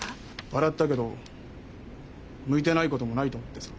笑ったけど向いてないこともないと思ってさ。